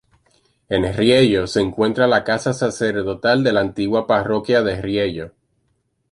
En Riello se encuentra la casa sacerdotal de la antigua parroquia de Riello.